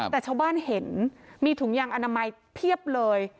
แต่ชาวบ้านเห็นมีถุงยางอนามัยเพียบเลย